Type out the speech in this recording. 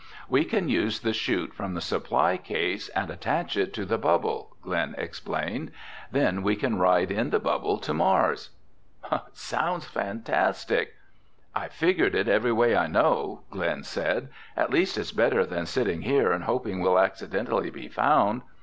"We can use the chute from the supply case and attach it to the bubble," Glen explained. "Then we can ride in the bubble to Mars." "It sounds fantastic!" "I've figured it every way I know," Glen said. "At least, it's better than sitting here and hoping we'll accidentally be found.